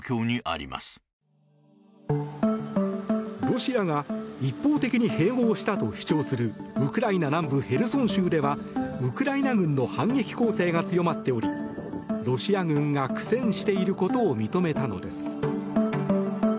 ロシアが一方的に併合したと主張するウクライナ南部ヘルソン州ではウクライナ軍の反撃攻勢が強まっておりロシア軍が苦戦していることを認めたのです。